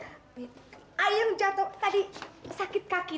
ayah yang jatuh tadi sakit kaki